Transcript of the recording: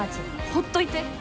ほっといて。